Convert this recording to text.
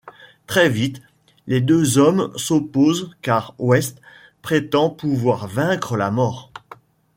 Très vite, les deux hommes s'opposent car West prétend pouvoir vaincre la mort.